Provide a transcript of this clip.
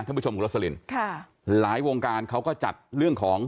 ท่านผู้ชมครับกฤษลินทร์ค่ะหลายวงการเขาก็จัดเรื่องของ